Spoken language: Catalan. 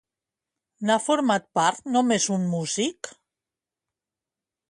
N'ha format part només un músic?